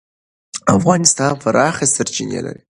افغانستان پراخې سرچینې لري.